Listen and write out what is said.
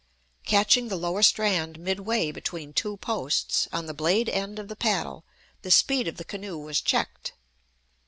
Catching the lower strand midway between two posts, on the blade end of the paddle, the speed of the canoe was checked.